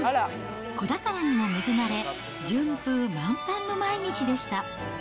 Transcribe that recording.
子宝にも恵まれ、順風満帆の毎日でした。